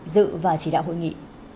dự và chỉ đạo hội nghị